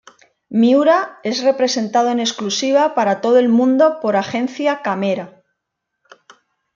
Miura es representado en exclusiva para todo el mundo por Agencia Camera.